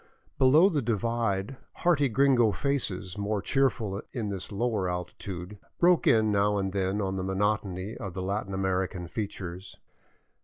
Below the divide hearty gringo faces* more cheerful in this lower altitude, broke in now and then on the monotony of Latin American features.